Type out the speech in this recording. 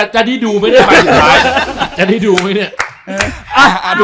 ใจดีหน่อย